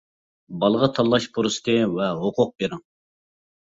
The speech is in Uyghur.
بالىغا تاللاش پۇرسىتى ۋە ھوقۇقى بېرىڭ.